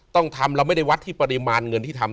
ต้องทำแล้วไม่ได้วัดพรีมานเงินที่ทำ